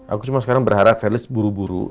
aku cuma sekarang berharap ferry buru buru